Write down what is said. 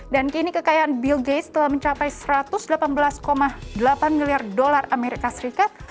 dan kini kekayaan bill gates telah mencapai satu ratus delapan belas delapan miliar dolar amerika serikat